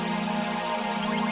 eh ya allah